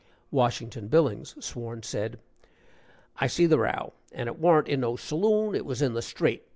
Washington Billings, sworn, said: "I see the row, and it warn't in no saloon it was in the street.